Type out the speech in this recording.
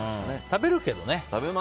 食べるけどね。